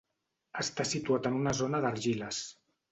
Està situat en una zona d'argiles.